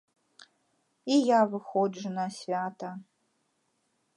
І я выходжу на свята.